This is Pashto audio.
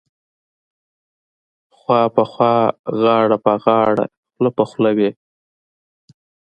خوا په خوا غاړه په غاړه خوله په خوله وې.